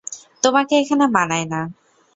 তোমাকে এখানে মানায় না।